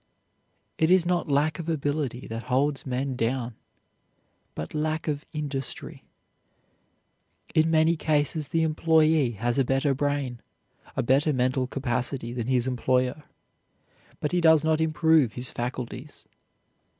It is not lack of ability that holds men down but lack of industry. In many cases the employee has a better brain, a better mental capacity than his employer. But he does not improve his faculties.